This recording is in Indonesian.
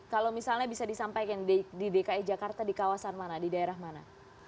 kalau misalnya bisa disampaikan di dki jakarta di kawasan mana di daerah mana